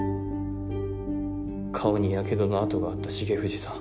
顔にやけどの痕があった重藤さん。